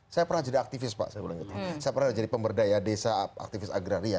saya pernah jadi aktivis pak saya pernah jadi pemberdaya desa aktivis agraria